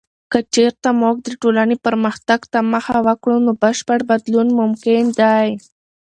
که چیرته موږ د ټولنې پرمختګ ته مخه وکړو، نو بشپړ بدلون ممکن دی.